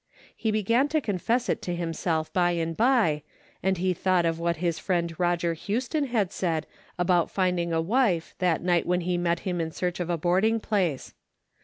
He began to confess it to himself by and by, and he thought of what his 304 A DAILY BATE.'^ friend Eoger Houston had said about finding a wife that night he had met him in search of a boarding place.